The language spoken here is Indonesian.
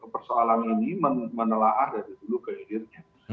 persoalan ini menelahkan dari dulu ke akhirnya